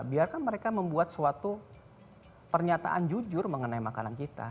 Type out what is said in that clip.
biarkan mereka membuat suatu pernyataan jujur mengenai makanan kita